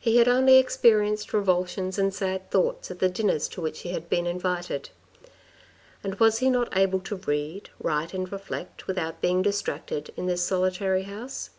He had only experienced revulsions and sad thoughts at the dinners to which he had been invited. And was he not able to read, write and reflect, without being distracted, in this solitary house ?